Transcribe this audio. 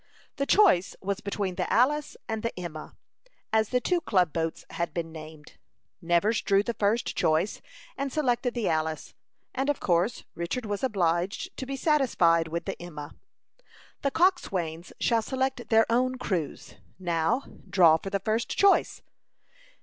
The choice was between the Alice and the Emma, as the two club boats had been named. Nevers drew the first choice, and selected the Alice, and of course Richard was obliged to be satisfied with the Emma. "The coxswains shall select their own crews. Now, draw for the first choice."